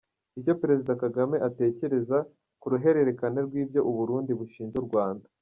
Icyo Perezida Kagame atekereza ku ruhererekane rw’ibyo u Burundi bushinja u Rwanda